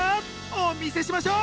お見せしましょう！